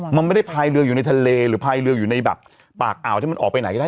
มันไม่ได้พายเรืองอยู่ในทะเลหรือพายเรืออยู่ในแบบปากอ่าวที่มันออกไปไหนก็ได้